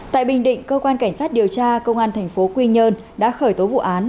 tại bình định cơ quan cảnh sát điều tra công an tp quy nhơn đã khởi tố vụ án